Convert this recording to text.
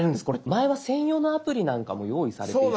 前は専用のアプリなんかも用意されていたんです。